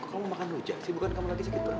kok kamu makan rujak sih bukan kamu lagi sakit berapa